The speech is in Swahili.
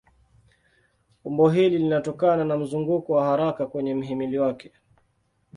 Umbo hili linatokana na mzunguko wa haraka kwenye mhimili wake.